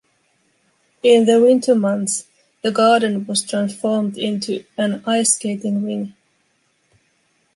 In the winter months the garden was transformed into an ice skating rink.